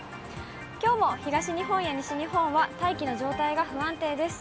きょうも東日本や西日本は大気の状態が不安定です。